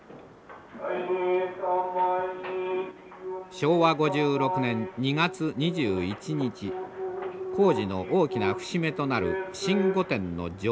昭和５６年２月２１日工事の大きな節目となる新御殿の上棟式が行われました。